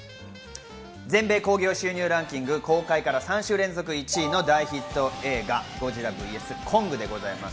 全米興行収入ランキング公開から３週連続１位の大ヒット映画、『ゴジラｖｓコング』です。